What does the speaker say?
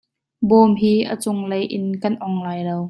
Bawm hi a cung lei in kan ong lai lo.